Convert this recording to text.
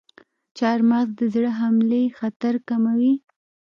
چارمغز د زړه حملې خطر کموي.